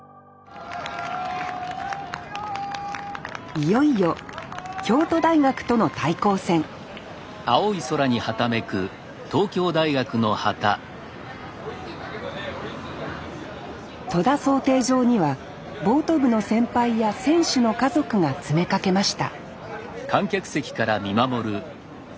いよいよ京都大学との対抗戦戸田漕艇場にはボート部の先輩や選手の家族が詰めかけました